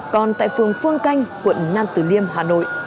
còn tại phường phương canh quận nam tử liêm hà nội